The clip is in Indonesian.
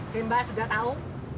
simba sudah tahu